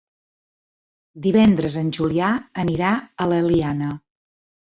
Divendres en Julià anirà a l'Eliana.